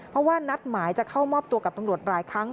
เพราะว่านัดหมายจะเข้ามอบตัวกับตำรวจหลายครั้ง